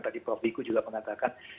tadi prof wiku juga mengatakan